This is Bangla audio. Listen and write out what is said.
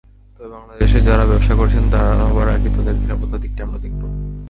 তবে বাংলাদেশে যাঁরা ব্যবসা করছেন, সবার আগে তাঁদের নিরাপত্তার দিকটি আমরা দেখব।